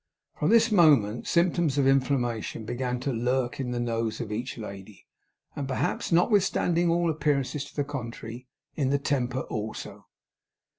From this moment symptoms of inflammation began to lurk in the nose of each lady; and perhaps, notwithstanding all appearances to the contrary, in the temper also.